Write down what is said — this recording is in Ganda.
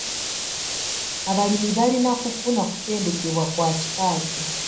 Abalimi balina kufuna kutendekebwa kwa kika ki?